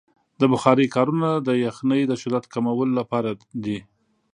د بخارۍ کارونه د یخنۍ د شدت کمولو لپاره دی.